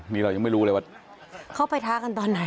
นี่เรายังไม่รู้เลยว่าเขาไปท้ากันตอนไหน